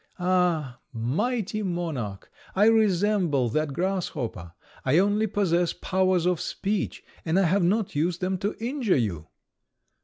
Ah! mighty monarch! I resemble that grasshopper. I only possess powers of speech, and I have not used them to injure you."